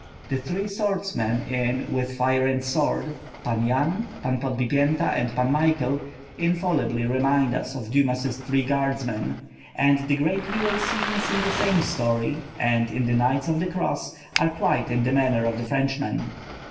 The three swordsmen in With Fire and Sword Pan Yan, Pan Podbienta, and Pan Michael infallibly remind us of Dumas's three guardsmen; and the great duel scenes in the same story, and in the Knights of the Cross, are quite in the manner of the Frenchman.